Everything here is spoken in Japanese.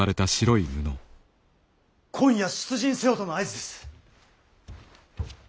今夜出陣せよとの合図です。